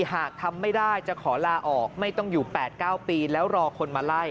หากทำไม่ได้จะขอลาออกไม่ต้องอยู่๘๙ปีแล้วรอคนมาไล่